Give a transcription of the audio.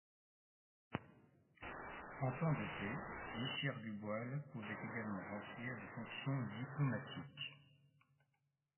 En temps de paix, l'Ichirgu-boil pouvait également remplir des fonctions diplomatiques.